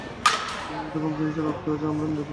কিন্তু যতক্ষণ প্রিন্সের রক্ত এখানে আছে, আমরা নিরাপদ।